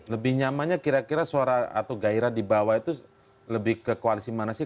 lebih nyamannya kira kira suara atau gairah di bawah itu lebih ke koalisi mana sih